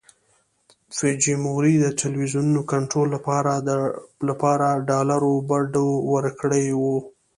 فوجیموري د ټلویزیونونو کنټرول لپاره ډالرو بډو ورکړي وو.